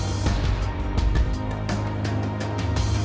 atas kondisi jalan di kampung mereka selalu menemukan suatu macam kegiatan